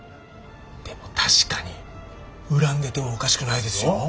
でも確かに恨んでてもおかしくないですよ。